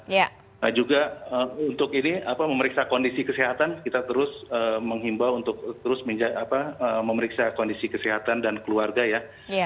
nah juga untuk ini memeriksa kondisi kesehatan kita terus menghimbau untuk terus memeriksa kondisi kesehatan dan keluarga ya